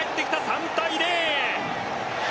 ３対０。